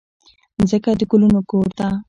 مځکه د ګلونو کور ده.